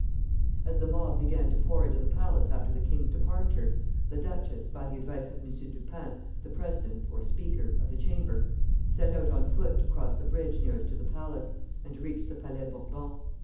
As the mob began to pour into the palace after the king's departure, the duchess, by the advice of M. Dupin, the President (or Speaker) of the Chamber, set out on foot to cross the bridge nearest to the palace, and to reach the Palais Bourbon.